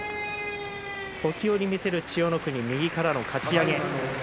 時折、見せる千代の国右からのかち上げ。